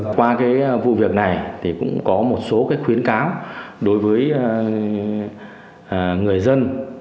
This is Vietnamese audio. qua cái vụ việc này thì cũng có một số khuyến cáo đối với người dân